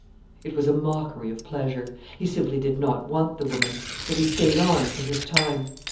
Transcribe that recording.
It was a mockery of pleasure. He simply did not want the woman. But he stayed on for his time.